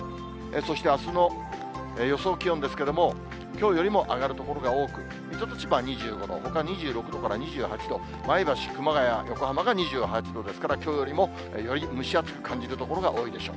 そしてあすの予想気温ですけれども、きょうよりも上がる所が多く、水戸と千葉２５度、ほか２６度から２８度、前橋、熊谷、横浜が２８度ですから、きょうよりもより蒸し暑く感じる所が多いでしょう。